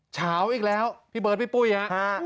เช้าอีกแล้วพี่เบิร์ดพี่ปุ้ยฮะ